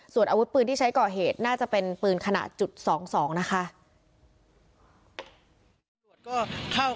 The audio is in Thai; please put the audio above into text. ส่วนอาวุธปืนที่ใช้ก่อเหตุน่าจะเป็นปืนขนาดจุด๒๒นะคะ